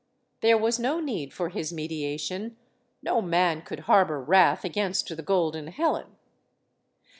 There was no need for his mediation. No man could harbor wrath against the golden Helen.